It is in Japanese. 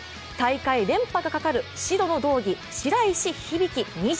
大会連覇がかかる白の道着白石響。